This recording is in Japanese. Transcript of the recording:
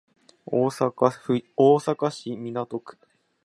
大阪市港区